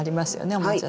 おもちゃで。